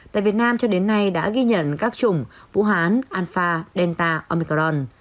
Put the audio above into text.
tại việt nam cho đến nay đã ghi nhận các chủng vũ hán alpha delta omicron